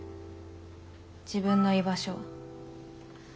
自分の居場所